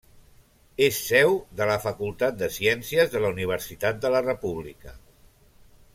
És seu de la Facultat de Ciències de la Universitat de la República.